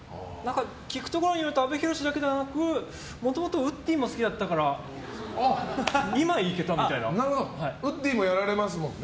聞くところによると阿部寛だけでなく、もともとウッディも好きだったからウッディもやられますもんね。